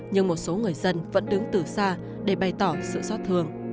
nhưng một số người dân vẫn đứng từ xa để bày tỏ sự xót thương